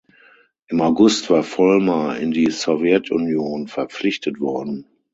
Im August war Volmer in die Sowjetunion verpflichtet worden.